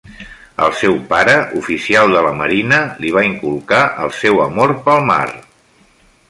El seu pare, oficial de la marina, li va inculcar el seu amor pel mar.